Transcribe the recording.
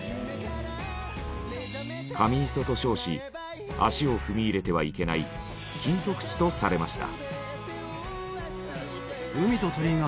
神磯と称し足を踏み入れてはいけない禁足地とされました。